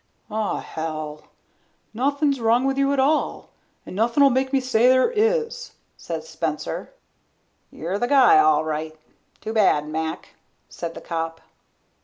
"Ah, hell! Nothin' wrong with you at all, and nothin'll make me say there is," said Spencer. "You're the guy, all right. Too bad, Mac," said the cop.